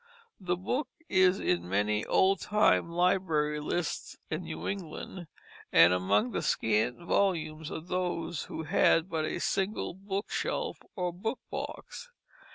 The book is in many old time library lists in New England, and among the scant volumes of those who had but a single book shelf or book box.